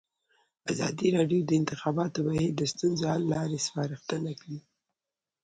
ازادي راډیو د د انتخاباتو بهیر د ستونزو حل لارې سپارښتنې کړي.